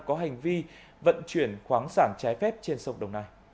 có hành vi vận chuyển khoáng sản trái phép trên xe